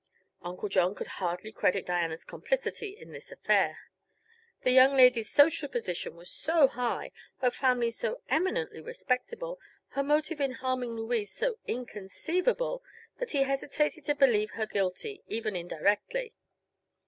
Uncle John could hardly credit Diana's complicity in this affair. The young lady's social position was so high, her family so eminently respectable, her motive in harming Louise so inconceivable, that he hesitated to believe her guilty, even indirectly.